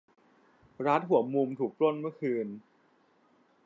ร้านหัวมุมถูกปล้นเมื่อคืน